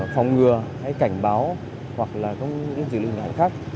phòng ngừa hay cảnh báo hoặc là các dự lý hình ảnh khác